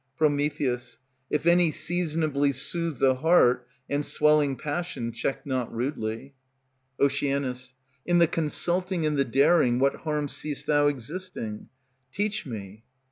_ If any seasonably soothe the heart, And swelling passion check not rudely. Oc. In the consulting and the daring What harm seest thou existing? Teach me.